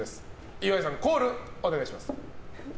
岩井さん、コールお願いします。